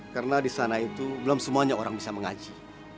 karena di sana itu belum semuanya orang bisa mengaji